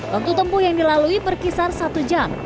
waktu tempuh yang dilalui berkisar satu jam